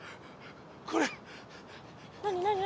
これ何何何？